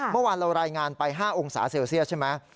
เมื่อวานเรารายงานไป๕องศาเซลเซียสใช่ไหม